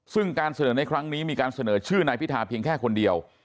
ซึ่งการเสนอในครั้งนี้มีการเสนอชื่อนายพิธาเพียงแค่คนเดียว